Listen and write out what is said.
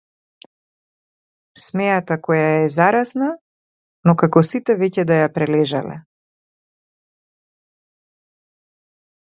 Смеата која е заразна но како сите веќе да ја прележале.